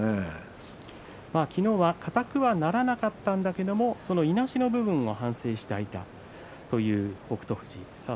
昨日は硬くはならなかったんだけれどもいなしの部分を反省していました北勝富士です。